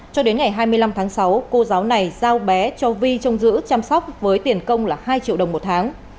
cho đến ngày hai mươi năm tháng sáu cô giáo này giao bé cho vi trông giữ chăm sóc với tiền công là hai triệu đồng một tháng